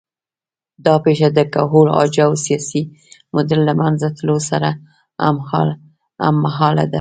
دا پېښه د کهول اجاو سیاسي موډل له منځه تلو سره هممهاله ده